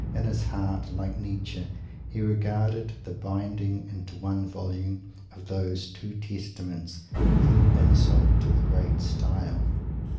In his heart, like Nietzsche, he regarded the binding into one volume of those "Two Testaments" an insult to "the great style."